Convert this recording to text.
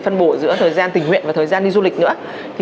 phân bổ giữa thời gian tình nguyện và thời gian đi du lịch nữa